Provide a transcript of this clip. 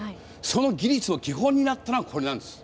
その技術の基本になったのがこれなんです。